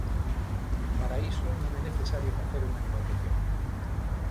Para iso non é necesario facer unha negociación.